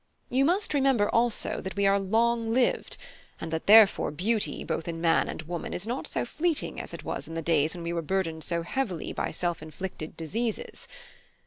You must remember, also, that we are long lived, and that therefore beauty both in man and woman is not so fleeting as it was in the days when we were burdened so heavily by self inflicted diseases.